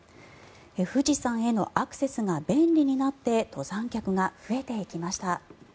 富士山へのアクセスが便利になって登山客が増えていきました。